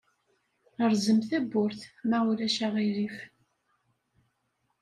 Rẓem tawwurt, ma ulac aɣilif.